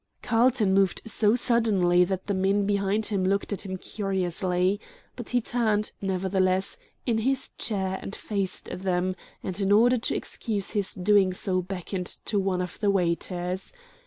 Carlton moved so suddenly that the men behind him looked at him curiously; but he turned, nevertheless, in his chair and faced them, and in order to excuse his doing so beckoned to one of the waiters.